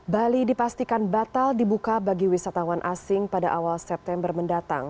bali dipastikan batal dibuka bagi wisatawan asing pada awal september mendatang